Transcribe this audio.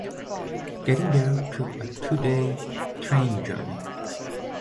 Getting there took a two-day train journey.